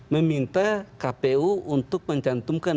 meminta kpu untuk mencantumkan